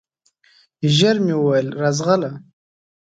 ژر مي وویل ! راځغله